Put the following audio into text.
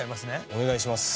お願いします。